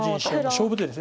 勝負手です